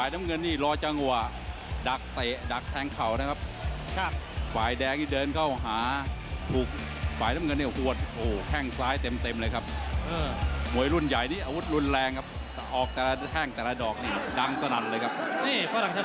ต้องบอกว่าแม่ได้รับความนิยมทั่วโลกแล้วตอนนี้นะครับผม